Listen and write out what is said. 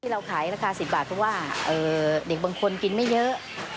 เราขายราคา๑๐บาทเพราะว่าเด็กบางคนกินไม่เยอะ